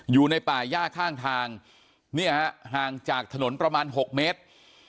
อยู่ในป่าย่าข้างทางเนี่ยฮะห่างจากถนนประมาณ๖เมตร